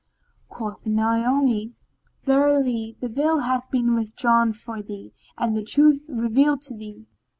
Quoth Naomi, "Verily, the veil hath been withdrawn for thee and the truth revealed to thee."